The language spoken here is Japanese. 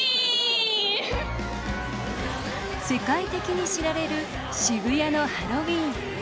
世界的に知られる渋谷のハロウィーン。